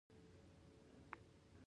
دښمنان غواړي بیل یې کړي.